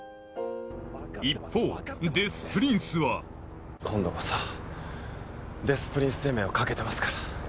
一方デス・プリンスは今度こそデス・プリンス生命をかけてますから。